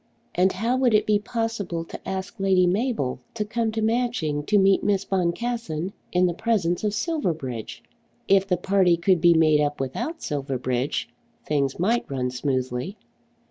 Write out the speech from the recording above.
And how would it be possible to ask Lady Mabel to come to Matching to meet Miss Boncassen in the presence of Silverbridge? If the party could be made up without Silverbridge things might run smoothly.